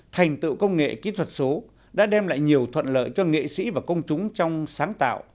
thành tựu công nghệ kỹ thuật số đã đem lại nhiều thuận lợi cho nghệ sĩ và công chúng trong sáng tạo